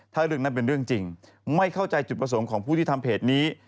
ถ้าเรื่องนั้นเป็นเรื่องจริงไม่เข้าใจจุดประสงค์ของผู้ที่ทำเพจนี้